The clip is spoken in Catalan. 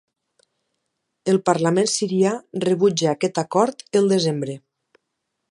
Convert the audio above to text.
El Parlament sirià rebutja aquest acord el desembre.